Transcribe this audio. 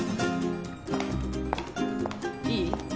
いい？